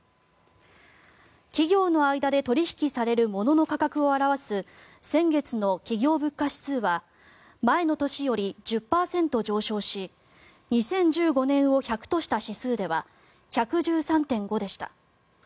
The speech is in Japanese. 企業の間で取引される物の価格を表す先月の企業物価指数は前の年より１０％上昇し２０１５年を１００とした指数では１１３．５でした。